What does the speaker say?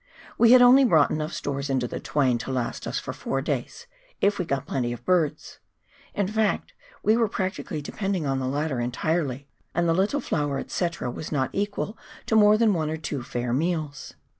"We had only brought enough stores into the Twain to last us for four days, if we had got plenty of birds ; in fact we were practically depending on the latter entirely, and the little flour, &c., was not equal to more than one or two fair meals.